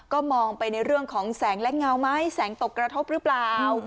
ก็มองไปในเรื่องของแสงและเงาไหมแสงตกกระทบหรือเปล่า